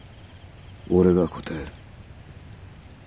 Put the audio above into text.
俺が答える。